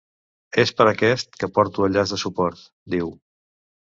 És per aquest que porto el llaç de suport, diu.